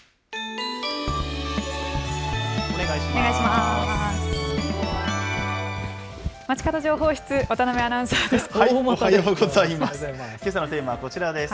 お願いします。